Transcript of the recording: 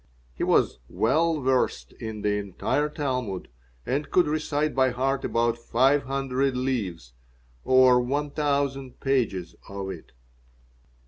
He was well versed in the entire Talmud, and could recite by heart about five hundred leaves, or one thousand pages, of it.